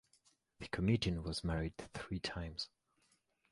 The comedian was married three times.